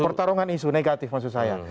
pertarungan isu negatif maksud saya